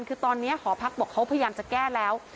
คือตอนนี้หอพักบอกเขาพยายามจะแก้แล้ว